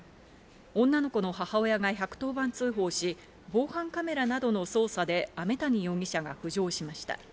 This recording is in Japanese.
女の子の母親が１１０番通報し、防犯カメラなどの捜査で飴谷容疑者が浮上しました。